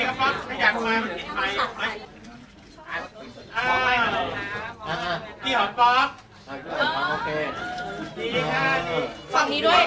อันนั้นจะเป็นภูมิแบบเมื่อ